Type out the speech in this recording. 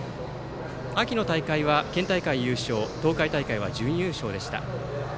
秋の大会は県大会優勝東海大会は準優勝でした。